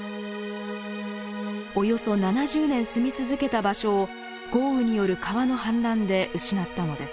およそ７０年住み続けた場所を豪雨による川の氾濫で失ったのです。